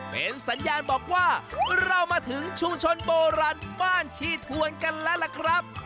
เป็นสัญญาณบอกว่าเรามาถึงชุมชนโบราณบ้านชีทวนกันแล้วล่ะครับ